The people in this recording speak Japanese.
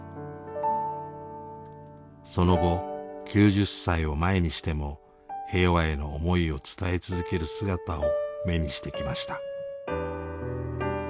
その後９０歳を前にしても平和への思いを伝え続ける姿を目にしてきました。